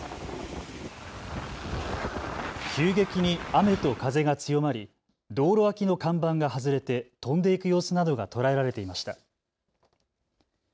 急激に雨と風が強まり道路脇の看板が外れて飛んでいく様子などが捉えられていました。